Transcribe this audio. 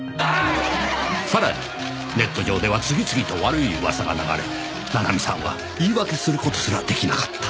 さらにネット上では次々と悪い噂が流れ七海さんは言い訳する事すら出来なかった。